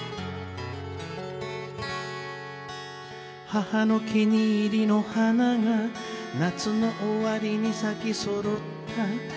「母の気に入りの花が夏の終わりに咲きそろった」